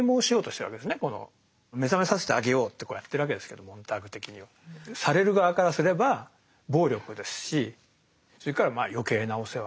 目覚めさせてあげようってこうやってるわけですけどモンターグ的にはされる側からすれば暴力ですしそれからまあ余計なお世話。